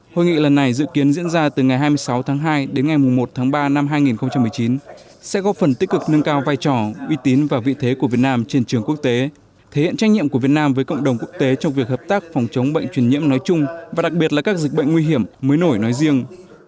hội nghị lần này dự kiến diễn ra từ ngày hai mươi sáu tháng hai đến ngày một tháng ba năm hai nghìn một mươi chín sẽ góp phần tích cực nâng cao vai trò uy tín và vị thế của việt nam trên trường quốc tế thể hiện trách nhiệm của việt nam với cộng đồng quốc tế trong việc hợp tác phòng chống bệnh truyền nhiễm nói chung và đặc biệt là các dịch bệnh nguy hiểm mới nổi nói riêng